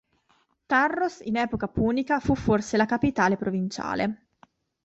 Tharros in epoca punica fu forse la capitale provinciale.